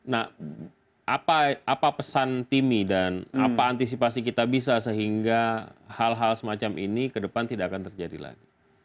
nah apa pesan timmy dan apa antisipasi kita bisa sehingga hal hal semacam ini ke depan tidak akan terjadi lagi